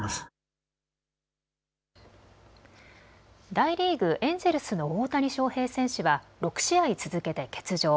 大リーグ、エンジェルスの大谷翔平選手は６試合続けて欠場。